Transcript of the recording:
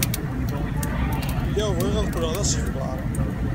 Lliɣ bɣiɣ ad qqleɣ d asegbar.